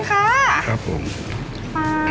อ่าน้ำมันงาด้วยค่ะ